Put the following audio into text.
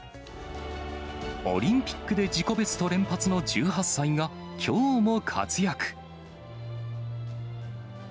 オリンピックで自己ベスト連発の１８歳がきょうも活躍。